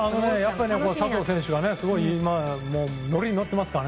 佐藤選手が乗りに乗っていますから。